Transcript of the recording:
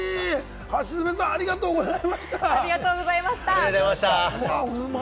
橋爪さん、ありがとうございました。